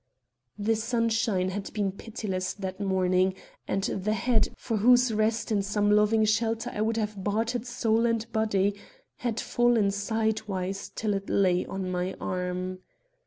"The sunshine had been pitiless that morning, and the head, for whose rest in some loving shelter I would have bartered soul and body, had fallen sidewise till it lay on my arm.